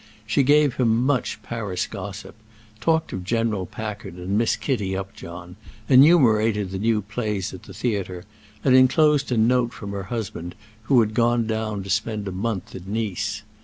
She gave him much Paris gossip, talked of General Packard and Miss Kitty Upjohn, enumerated the new plays at the theatre, and enclosed a note from her husband, who had gone down to spend a month at Nice.